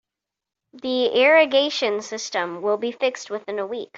The irrigation system will be fixed within a week.